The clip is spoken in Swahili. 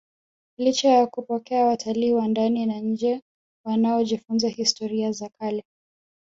licha ya kupokea watalii wa ndani na nje wanaojifunza historia za kale